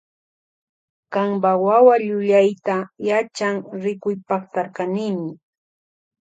Kanpa wawa llullayta yachan rikuypaktarkanimi.